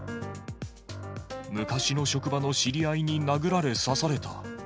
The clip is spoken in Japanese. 昔の職場の知り合いに殴られ刺された。